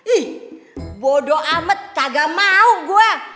ih bodo amat kagak mau gua